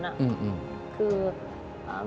คือยอมรับทุกฝั่ง